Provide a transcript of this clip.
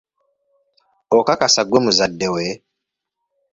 Okakasa ggwe muzadde we?